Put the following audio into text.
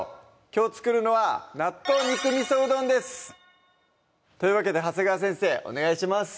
きょう作るのは「納豆肉みそうどん」ですというわけで長谷川先生お願いします